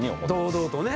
堂々とね。